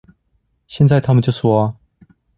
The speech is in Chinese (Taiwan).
現在他們就說啊